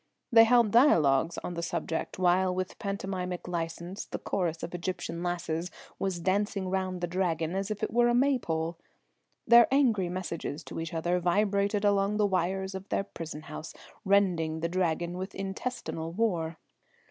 They held dialogues on the subject, while with pantomimic license the chorus of Egyptian lasses was dancing round the Dragon as if it were a maypole. Their angry messages to each other vibrated along the wires of their prison house, rending the Dragon with intestinal war.